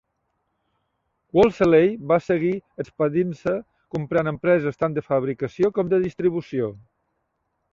Wolseley va seguir expandint-se comprant empreses tant de fabricació com de distribució.